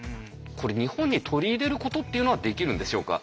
これ日本に取り入れることっていうのはできるんでしょうか？